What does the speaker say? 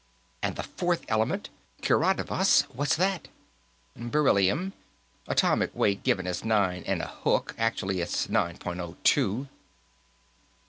And the fourth element, kiradavas; what's that?" "Beryllium. Atomic weight given as nine and a hook; actually it's nine point oh two."